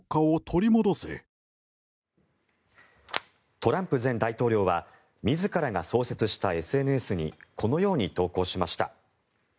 トランプ前大統領は自らが創設したＳＮＳにこのように投稿しました。